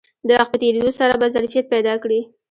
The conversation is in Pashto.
د وخت په تېرېدو سره به ظرفیت پیدا کړي